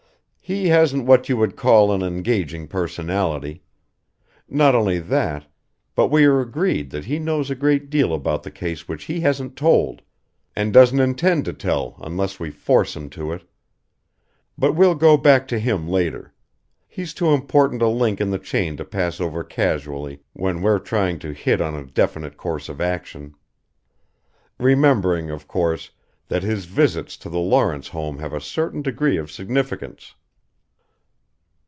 "He hasn't what you would call an engaging personality. Not only that, but we are agreed that he knows a great deal about the case which he hasn't told and doesn't intend to tell unless we force him to it. But we'll go back to him later: he's too important a link in the chain to pass over casually when we're trying to hit on a definite course of action. Remembering, of course, that his visits to the Lawrence home have a certain degree of significance."